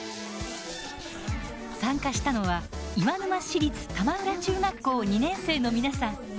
参加したのは岩沼市立玉浦中学校の２年生の皆さん。